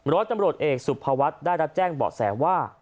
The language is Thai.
ร้อยตำรวจเอกสุภวัฒน์ได้รับแจ้งเบาะแสว่า